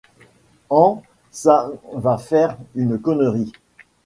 ans ça on va faire une connerie.